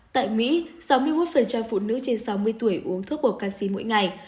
tại mỹ sáu mươi một phụ nữ trên sáu mươi tuổi uống thuốc bộ canxi mỗi ngày